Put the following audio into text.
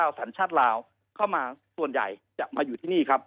สัญชาติลาวเข้ามาส่วนใหญ่จะมาอยู่ที่นี่ครับ